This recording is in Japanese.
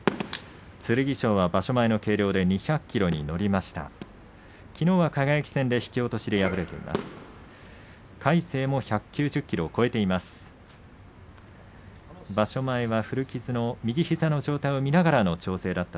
剣翔、場所前の計量で２００ｋｇに、のりました。